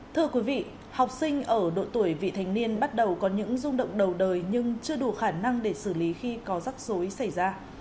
thưa quý vị học sinh ở độ tuổi vị thành niên bắt đầu có những rung động đầu đời nhưng chưa đủ khả năng để xử lý khi có rắc rối xảy ra